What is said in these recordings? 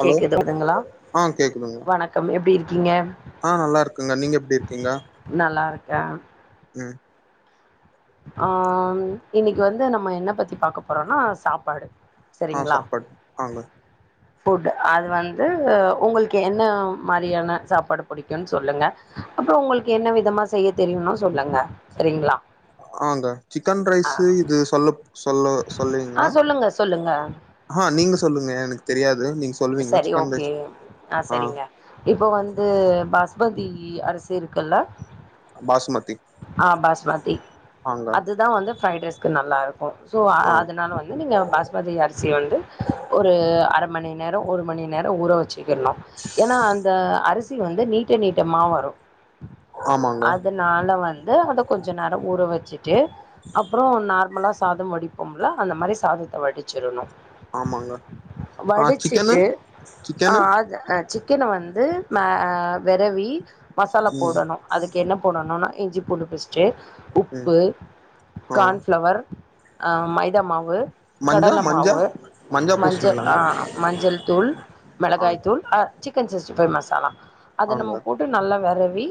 hello கேக்குது இதுங்குளா ஆ கேக்குதுங்க வணக்கம் எப்டி இருக்கீங்க ஆ நல்லா இருக்கங்க நீங்க எப்டி இருக்கீங்க நல்லா இருக்க ம் ஆ ம் இன்னைக்கு வந்து நம்ம என்ன பத்தி பாக்க போறோனா சாப்பாடு ஆ சாப்பாடு ஆங்க ஃபுட்டு அது வந்து உங்களுக்கு என்ன மாரியான சாப்பாடு பிடிக்குன் சொல்லுங்க அப்புறோ உங்களுக்கு என்ன விதமா செய்ய தெரியுனு சொல்லுங்க சரிங்ளா ஆங்க சிக்கன் ரைஸு இது சொல்லுப் சொல்லு ஆ சொல்லுவீங்ளா சொல்லுங்க சொல்லுங்க ஆ நீங்க சொல்லுங்க எனக்கு தெரியாது நீங் சொல்லுவீங்ளா சரி சிக்கன் ஓகே ரைஸ் ஆ இப்போ வந்து பாஸ்மதி அரிசி இருக்குல்ல பாஸ்மதி ஆ பாஸ்மதி ஆங்க அதுதான் வந்து ஃபிரைட் ரைஸ்க்கு நல்லா இரு க்கு சோ ஆ அதுனால வந்து நீங்க பாஸ்மதி அரிசி வந்து ஒரு அர மணி நேரோ ஒரு மணி நேரோ ஊற வச்சிக்கிர்ணு ஏனா அந்த அரிசி வந்து நீட்ட நீட்டமா வரு ஆமாங்க அதுனா ல வந்து அத கொஞ்ச நேரோ ஊற வச்சுட்டு அப்றோ நார்மலா சாதம் வடிப்போம்ல அந்த மாரி சாதத்த வடிச்சிரணு ஆமாங்க ஆ சிக்கனு வடிச்சிட்டு ஆ சிக்கனு அத ஆ சிக் கின வந்து ம வெறவி மசாலா ம் போடணு அதுக்கு என்ன போடணுனா இஞ்சிபூண்டு பேஸ்ட்டு ம் உப்பு ஆ கான்ஃப்ளவர் ஆ மைதா மாவு மஞ்சா கடல மஞ்சா மாவு மஞ்சா மஞ்ச ஆ பூசணிலாங்க மஞ்சள் தூள் ஆங்க மெளகாய்த்தூள் அ சிக்கன் சிஸ்ட்டிஃபை மசாலா அத ஆங்க நம்ம போட்டு நல்லா வெறவி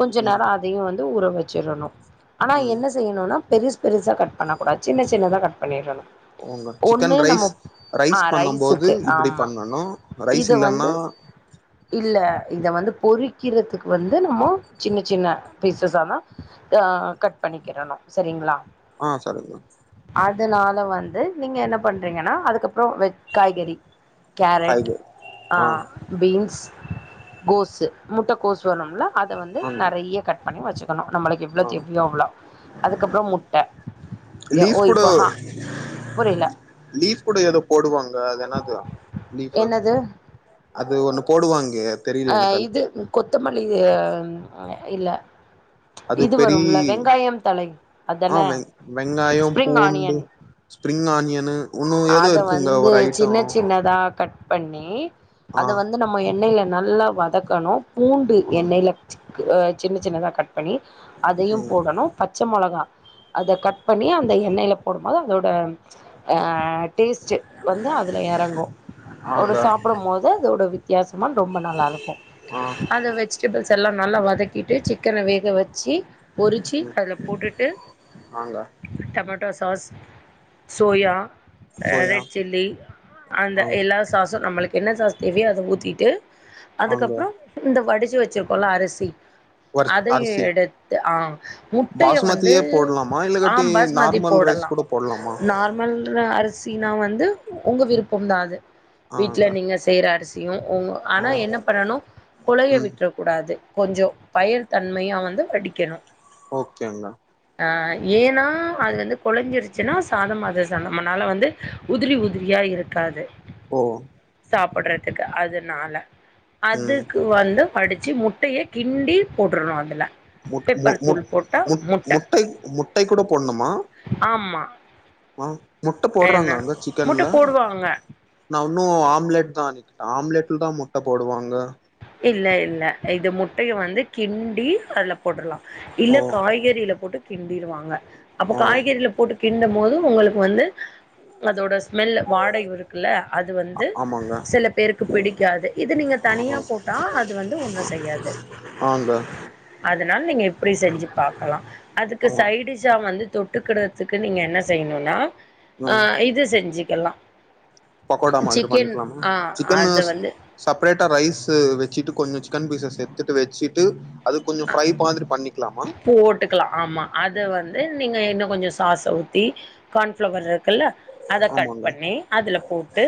கொஞ்ச ம் நேரோ அ தையு வந்து ஊற வச்சிரணு ஆனா ம் என்ன செய்யணுனா பெருஸ் பெருசா கட் பண்ண கூடாது சின்ன சின்னதா கட் பண்ணிறணு ஓங்க ஒன்னு சிக்கன் ரைஸ் நம்மோ அ ரைஸ் பண்ணும் போது ரைஸுக்கு இப்டி ஆமா பண்ணணு ரைஸ் இத வந்து இல்லன்னா இல்ல இத வந்து பொறிக்கிறதுக்கு வந்து நம்மோ சின்ன சின்ன பீஸஸ்சாதா ஆ கட் பண்ணிக்கிடணு சரிங்ளா ஆ சரிங்க அதுனால வந்து நீங்க என்ன பண்றீங்கனா அதுக்கப்புறோ வெ காய்கறி கேரட் காய்கறி ஆ பீன்ஸ் கோஸு முட்டக்கோஸ் வேணும்ல அத வந்து ஆமா நெறையா கட் பண்ணி வச்சுக்குணு நம்மளுக்கு எவ்ளோ ஆ தேவையோ அவ்ளோ அதுக்கப்புறோ முட்ட லீஃப் கூட புரில லீஃப் கூட எதோ போடுவாங்க அது என்னது லீஃபு என்னது அது ஒன்னு போடுவாங்கே ஆ இது கொத்தமல்லி அ இல்ல அது இது பெரி வரும்ல வெங்காயம் தழை ஆ அதான வெ ஸ்பிரிங் ஆனியன் ஸ்பிரிங் ஆனியனு ஒன்னு ஏதோ அத இருக்குங்க வந்து ஒரு ஐட்டோ சின்ன சின்னதா கட் பண்ணி ஆ அத வந்து நம்ம எண்ணெய்ல நல்லா வதக்கணு பூண்டு ஆ எண்ணெய்ல அ சின்ன சின்னதா கட் பண்ணி அதையு ம் போடணு பச்ச மொளகா அத கட் பண்ணி அந்த எண்ணெய்ல போடுமோது அதோட அ டேஸ்ட்டு வந்து அதுல எறங்கு ஒரு ஆங்க சாப்புடும் போது அதோட வித் வித்தியாசமா ரொம்ப நல்லா இருக்கு ஆ அத வச்சு டெபிள்ஸ் எல்லா நல்லா வதக்கிட்டு சிக்கன வேக வச்சு பொறிச்சி ம் அதுல போட்டுட்டு ஆங்க tomato sauce soya soya red chilli அந்த ஆ எல்லா சாசும் நம்மளுக்கு என்ன சாஸ் தேவையோ அத ஊத்திட்டு ஆங்க அதுக்கப்றோ இந்த வடிச்சு வச்சுருக்கோல்லா அரிசி வரி அதையு அரிசி எடுத்து ஆ முட்டைய வந்து பாசுமதியே ஆம் பாஸ் மாதிரி போடலா போட்லாமா மெல்ர அரிசினா வந்து உங்க விருப்பம் தா அது ஆங்க வீட்ல நீங்க செய்ற அரிசியு உங்க ஆனா ஆ என்ன பண்ணனு கொழைய ம் விட்றனு கூடாது கொஞ்சோ பயர் தன்மையா வந்து வடிக்கணு ஓகேங்க ஆ ஏன்னா அது வந்து கொழஞ்சிருச்சுனா சாதம் அது சாதம் நம்மனால வந்து உதிரி உதிரியா இருக்காது ஓ சாப்புட்றதுக்கு அதுனால ம் அதுக்கு வந்து வடுச்சு முட்டைய கிண்டி போட்றணு அதுல முட் மு முட் முட் முட்டை கூட முட்டை கூட போட்னுமா ஆமா ஆ முட்ட போட்றாங்க அங்க முட்டை சிக்கன்ல போடுவாங்க நா இன்னு ஆம்லெட் தான் ஆம்லெட்ல தா முட்ட போடுவாங்க இல்ல இல்ல இது முட்டைய வந்து கிண்டி அதுல போட்றலாம் இல்ல ஓ காய்கறியில போட்டு கிண்டிருவாங்க அப்ப ஓ காய்கறில போட்டு கிண்டும் போது உங்களுக்கு வந்து அதோட ஸ்மெல் வாடை வரும் க்குல்ல அது வந்து ஆமாங்க சில பேருக்கு பிடிக்காது இது நீங்க ஆ தனியா போட்டா அது வந்து ஒண்ணு செய்யாது ஆங்க அதுனால நீங்க எப்டி செஞ்சு பாக்கலா அதுக்கு ஆமா சைடிசா வந்து தொட்டுக்குடுறதுக்கு நீங்க என்ன செய்யணுன்னா ஆ ம் இது செஞ்சுக்கலா பக்கோடா மாதிரி பண்ணிக்லாமா சிக்கன் நூ அது வந்து செப்ரேட்டா ரைஸு வச்சுட்டு கொஞ்சோ சிக்கன் பீஸ்ச சேத்துட்டு வச்சிட்டு அது கொஞ்ச ஃப்ரை மாதிரி பண்ணிக்லாமா விட்டுக்கலா ஆமா அத வந்து நீங்க இன்னு கொஞ்ச சாஸ ஊத்தி கான்ஃப்ளவர் இருக்குல்ல அத கட் ஆமாங்க பண்ணி அதுல போட்டு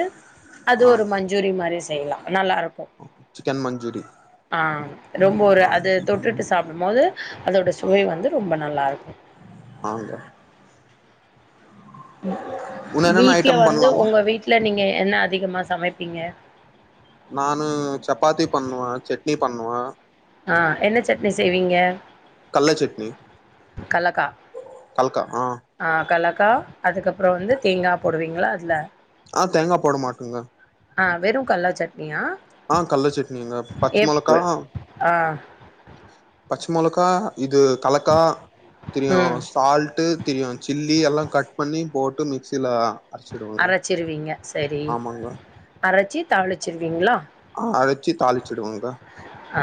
அது ஆ ஒரு மஞ்சூரி மாரியு செய்யலா நல்லாருக்கு சிக்கன் மஞ்சூரி ஆ ரொம்ப ஒரு ஆ அது தொட்டுட்டு சாப்டும் போது அதோட சுவை வந்து ரொம்ப நல்லா இருக்கும் நாங்க உன்ன என்னென்ன வீட்ல ஐட்டம் வந்து பண்லாமா உங்க வீட்ல நீங்க என்ன அதிகமா சமைப்பீங்க நானு சப்பாத்தி பண்ணுவே செட்னி பண்ணுவே ஆ என்ன சட்னி செய்வீங்க கல்லைச் சட்னி கல்லக்கா கல்க்கா ஆ ஆ கலக்கா அதுக்கப்றோ வந்து தேங்கா போடுவீங்களா அதுல ஆ தேங்கா போட மாட்டங்க ஆ வெறூ கல்லா சட்னியா ஆ கல்ல சட்னிங்க பச் மொளகா எப்பு ஆ பச் மொளக்கா இது கலக்கா திரீயூ ம் சால்ட்டு திரியூ சில்லி எல்லா கட் பண்ணி போட்டு மிக்சில பா அரைச்சிருவீங்க சரி அரைச்சி தாளிச்சிருவீங்ளோ அ அரச்சி தாளிச்சிடுவோங்க ஆ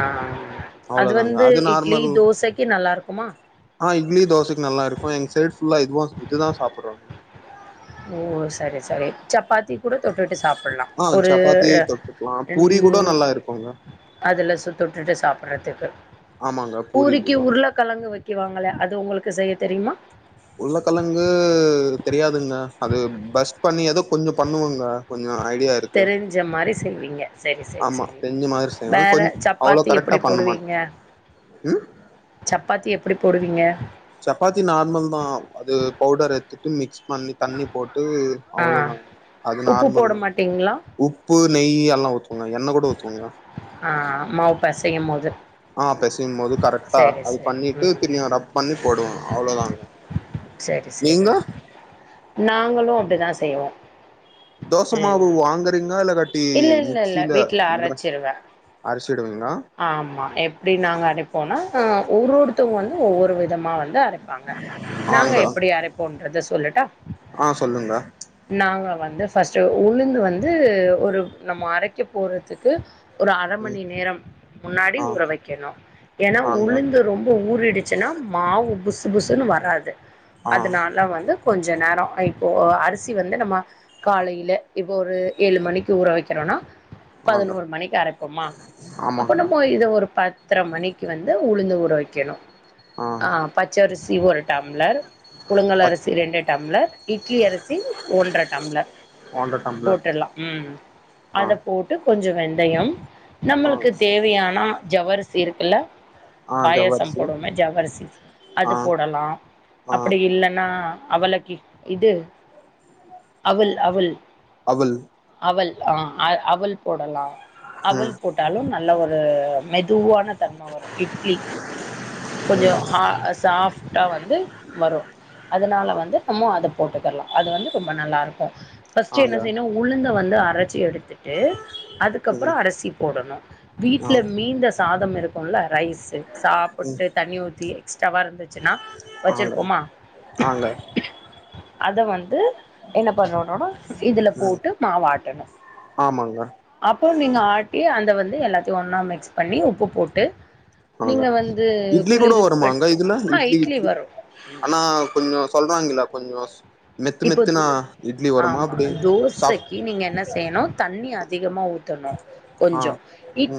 அது அவ்ளோதாங்க வந்து இட்லி நார்மல் தோசைக்கு நல்லா இருக்குமா ஆ இ்ட்லி தோசைக்கு நல்லா இருக்கோ எங் சைடு ஃபுல்லா இதுவோ இதுதா சாப்பட்ரோ சாப்பிடுறோங்க ஓ சரி சரி சப்பாத்தி கூட தொட்டுட்டு சாப் ஆ ஒரு சப்பாத்தி தொட்டுக்கலா என் பூரி கூட நல்லா இருக்குங்க அதுல சுத்த ‌உட்டுட்டு சாப்பிட்றதுக்கு ஆமாங்க பூரிக்கு பூரிக்குதா உருளக் கெலங்கு வைக்குவாங்களே அது உங்களுக்கு செய்ய தெரியுமா உள்ளக்கலங்கு தெரியாதுங்னா அது பஸ் பண்ணி ஏதோ கொஞ்சொ பண்ணுவோங்க கொஞ்சொ ஐடியாக் தெரிஞ்ச மாரி செய்வீங்க சரி சரி ஆமா சரி தெரிஞ்ச மாரி செய்வே வேற கொஞ் அவ்ளோ சப்பாத்தி கரெக்டா எப்புடி பண்ண மாட்டே போடுவீங்க ம் சப்பாத்தி எப்படி போடுவீங்க சப்பாத்தி நார்மல் தா அது பவுடர் எடுத்துட்டு மிக்ஸ் பண்ணி தண்ணி போட்டு ஆ அவ்ளோ தா அது உப்பு நார்மல் போட தா மாட்டீங்களா உப் பூ நெய் எல்லா ஊத்துவங்க எண்ணெ கூட ஊத்துவங்க ஆ மேப்ப செய்யூ போது ஆ பெசுயூ போது கரெக்டா சரி அது சரி பண்ணிட்டு ம் திரியூ ரப் பண்ணி போடுவோ அவ்ளோதாங் சரி சரி நாங்களூ அப்படிதா செய்வோ தோச மாவு ஏன்னா வாங்குறீங்களா இல்லகாட்டி இல்ல இல்ல இல்ல மிக்சியில வீட்ல கிரா அரைச்சிருவே அரச்சிடுவீங்ளா ஆமா எப்டி நாங்க அரைப்போம்னா ஆ ஒருஒருத்தவங்க வந்து ஒவ்வொரு விதமா வந்து அரைப்பாங்க நாங்க ஆங்க எப்படி அரைப்போன்றத சொல்லட்டா ஆ சொல்லுங்க நாங்க வந்து ஃபர்ஸ்ட் உளுந்து வந்து ஒரு நம்ம அரைக்க போறதுக்கு ஒரு அர ம் மணி நேரம் முன்னாடி ஆ உற வைக்கணோ ஏன்னா ஆங்க உளுந்து ரொம்ப ஊறிடுச் மாவு புசு புசுன்னு வராது ஆ அதனால வந்து கொஞ்சொ நேரோ இப்போ அரிசி வந்து நம்ம காலையில இப்போ ஒரு ஏழு மணிக்கு ஊற வைக்கிறோனா ஆங்க பதினோரு மணிக்கு அரைப்போமா அப்ப ஆமாங்க நம்ம இத ஒரு பத்திர மணிக்கு வந்து உளுந்து ஊற வக்கணோ ஆ பச்சரிசி ஒரு டம்ளர் புழுங்கல் பத் அரிசி ரெண்டு டம்ளர் இட்லி அரிசி ஒன்ற டம்ளர் ஒன்ற டம்ளர் போட்டுட்லா ம் ஆ அத போட்டு கொஞ்சோ வெந்தயோ ஆ நம்மளுக்கு ஆனா ஜவ்வரிசி இருக்குல்ல ஆ பாயசோ ஜவ்வரிசி போடுவ்மே ஜவ்வரிசி அது ஆ போடலா ஆ அப்படி இல்லன்னா அவலுக் இத் இது அவெல் அவெல் அவல் அவல் ஆ அவல் போடலா ம் அவெல் போட்டாலூ நல் நல்ல ஒரு மெதுவான தன்ம வரூ இட்லி கொஞ்சோ ம் ஹா சாஃப் ட்டா வந்து வரூ ஆ அதனால வந்து நம்ம அத போட்டுக்கர்லா அது வந்து ரொம்ப நல்லா இருக்கூ ஃபஸ்ட்டு என்ன ஆங்க செய்ணு உளுந்த வந்து அரச்சு எடுத்துட்டு அதுக்கப்றோ ம் அரிசி போடணு ஆ வீட்ல மீந்த சாதம் இருக்குல்ல ரைஸு சாப்புட்டு தண்ணி ஊத்தி எக்ஸ்ட்ராவா இருந்துச்சுன்னா ஆங்க வச்சிருப்போமா ஆங்க அத வந்து என்ன பண்ணனுனா இதுல ம் போட்டு மாவாட்டணு ஆமாங்க அப்போ நீங்க ஆட்டி அந்த வந்து எல்லாத்தயு ஒன்னா மிக்ஸ் பண்ணி உப்பு போட்டு ஆமாங்க நீங்க வந்து இட்லி கூட குளிர்பட் வருமாங்க இதுல ஆ இட்லி இட்லி வரு ஆனா கொஞ்சோ சொல்வாங்கில்ல கொஞ்சோ தின்னு இப்போ து தினா ஆமா தோசைக்கி நீங்க என்ன செய்யணு தண்ணி அதிகமா ஊத்தணு ஆ கொஞ்சோ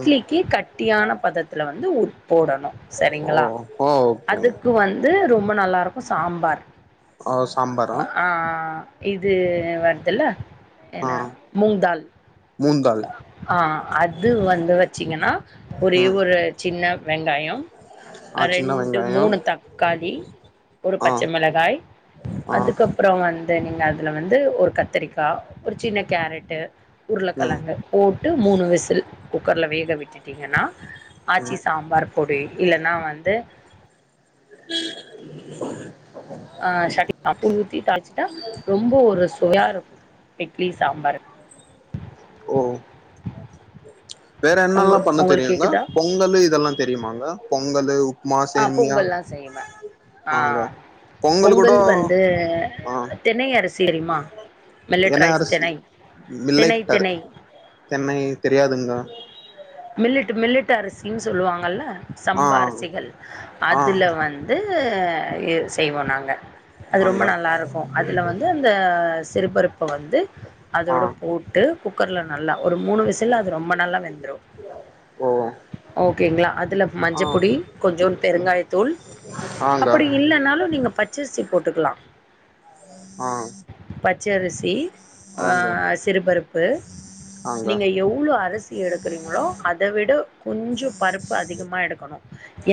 ம் கட்டியான பதத்துல வந்து ஊத் போடணு சரிங்களா ஓஹோ ஓகேங்க அதுக்கு வந்து ரொம்ப நல்லாருக்கு சாம்பார் ஓ சாம்பார் ஆ ஆ ஆ இது வர்துல்ல ஆ ஏனா மூந்தால் மூந்தால் ஆ அது வந்து வச்சீங்கன்னா ஒரே ம் ஒரு சின்ன வெங்காயம் ஆ அ சின்ன ரெண்டு வெங்காயோ மூணு தக் காளி ஒரு ஆ பச்ச மிளகாய் ஆ அதுக்கப்றோ வந்து நீங்க அதுல வந்து ஒரு கத்தரிக்கா ஒரு சின்ன கேரட்டு ம் உருளக்கெழங்கு போட்டு மூணு விசில் குக்கர்ல வேக விட்டுட்டீங்கன்னா ஆச்சி சாம்பார் பொடி இல்லனா வந்து ஆ சட் [inaudible] ஊத்தி தாள்ச்சுட்டா ரொம்ப ஒரு சுவையா இருக்கு இட்லி சாம்பாரு ஓ வேற உங்க என்னல்லா பண்ண உங்களுக்கு தெரியுங்க கேக்குதா பொங்கலு இதெல்லா தெரியுமாங்க பொங்கலு உப்மா ஆ சேமியா பொங்கல்லா செய்வே ஆ ஆங்க பொங்கல் வந்து ஆ திணை அரிசி தெரியுமா மில்லட் என்ன ரைஸ் அரிசி திணை திணை திணை திண்ணை தெரியாதுங்க மில்லட்டு மில்லட்டு் அரிசின் சொல்லுவாங்கல்ல ஆ சம்பா அரிசிகள் ஆ அதுல வந் து எ செய்வோ நாங்க அது ஆங்க ரொம்ப நல்லாருக்கு அதுல வந்து அந்த சிறுபருப்ப வந்து ஆ அதோட போட்டு குக்கர்ல நல்லா ஒரு மூணு விசில்ல அது ரொம்ப நல்லா வெந்துரு ஓ ஓகேங்ளா அதுல ஆ மஞ்சப்பொடி கொஞ்சோ பெருங்காய தூள் ஆங்க அப்படி இல்லன்னாலு நீங்க பச்சரிசி போட்டுக்கலா ஆ பச்சரிசி ஆ ஆங்க சிறுபருப்பு ஆங்க நீங்க எவ்ளோ அரிசி எடுக்கறீங்ளோ அத விட கொஞ்சோ பருப்பு அதிகமா எடுக்கணு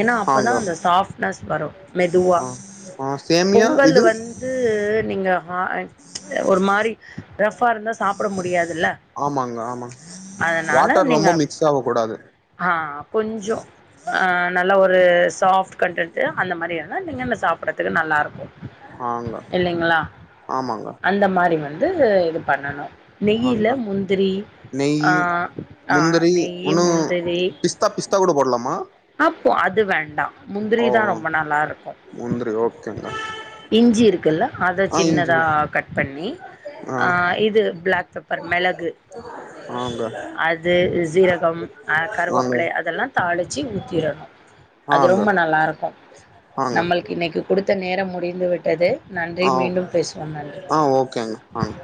ஏனா அப்பதா ஆங்க அந்த சாஃப்ட்னஸ் வரு மெதுவா ஆ ஆ சேமியா பொங்கல் இது வந்து நீங்க அ எ ஒரு மாரி ரஃப்பா இருந்தா சாப்பட முடியாதுல்ல ஆமாங்க அதனால நீங்க சாப்ட கூடாது ஆ கொஞ்சோ ஆ நல்லா ஒரு சாஃப்ட கண்டுட்டு அந்த மாரியான நீங்கள்ன்ன சாப்டறதுக்கு நல்லாருக்கு ஆங்க இல்லைங்களா ஆமாங்க அந்த மாரி வந்து இது பண்ணணு நெய்யில ஆங்க முந்திரி ஆ ஆ இ நெய் ஒன்னு முந்திரி பிஸ்தா பிஸ்தா கூட போடலாமா அப்போ அது வேண்டா ஓ முந்திரிதா ரொம்ப நல்லாருக்கு முந்திரி ஓகேங்க இஞ்சி இருக்குல்ல அத ஆ இஞ்சி சின்னதா கட் பண்ணி ஆ இது பிளாக் பெப்பர் மெளகு ஆங்க அது சீரகம் ஆ ஆங்க கருவேப்பல அதெல்லா தாளிச்சு ஊத்திரணு அது ஆங்க ரொம்ப நல்லா இருக்கு ஆங்க நம்மளுக்கு இன்னைக்கு குடுத்த நேரம் முடிந்து விட்டது நன்றி ஆ மீண்டும் பேசுவோம் நன்றி ஆ ஓகேங்க வாங்க